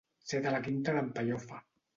Ser de la quinta d'en Pellofa.